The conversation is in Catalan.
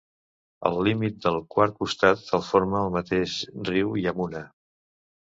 El límit del quart costat el forma el mateix riu Yamuna.